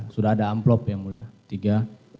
sudah ada amplop yang mulia tiga